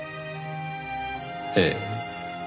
ええ。